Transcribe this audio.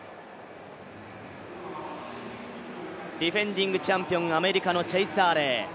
ディフェンディングチャンピオン、アメリカのチェイス・アーレイ。